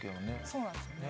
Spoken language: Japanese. そうなんですよね。